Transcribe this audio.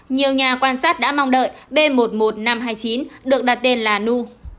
nhiều nhà quan sát đã mong đợi b một mươi một nghìn năm trăm hai mươi chín được đặt tên là nu